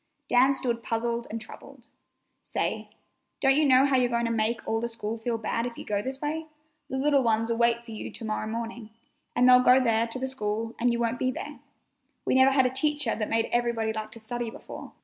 Dan stood puzzled and troubled. "Say, don't you know how you're going to make all the school feel bad if you go this way? The little ones'll wait for you to morrow morning, and they'll go there to the school and you won't be there. We never had a teacher that made everybody like to study before.